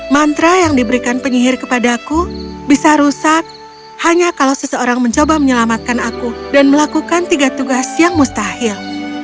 mantra yang diberikan penyihir kepadaku bisa rusak hanya kalau seseorang mencoba menyelamatkan aku dan melakukan tiga tugas yang mustahil